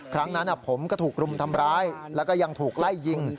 ครั้งนั้นผมก็ถูกรุมทำร้ายแล้วก็ยังถูกไล่ยิง